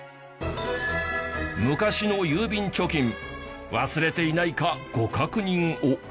昔の郵便貯金忘れていないかご確認を。